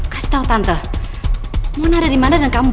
kasih tau tante mona ada dimana dan kamu bawa kemana